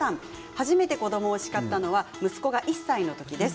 初めて子どもを叱ったのは息子が１歳の時です。